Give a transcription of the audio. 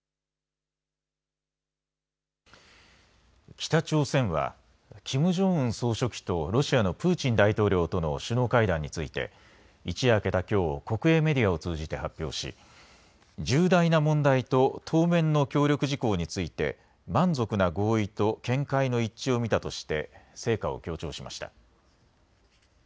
北朝鮮はキム・ジョンウン総書記とロシアのプーチン大統領との首脳会談について一夜明けたきょう、国営メディアを通じて発表し重大な問題と当面の協力事項について満足な合意と見解の一致を見たとして成果を強調しました。